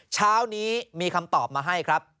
เช้านี้มีคำตอบมาให้ครับ